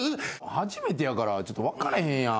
初めてやから分からへんやん。